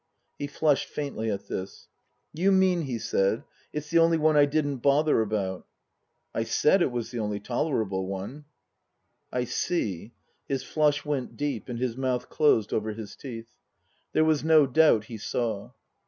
He flushed faintly at this. " You mean," he said, "it's the only one I didn't bother about ?"" I said it was the only tolerable one." " I see." His flush went deep, and his mouth closed over his teeth. There was no doubt he saw.